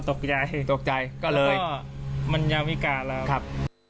ตกใจตกใจก็เลยมันยามวิการแล้วครับ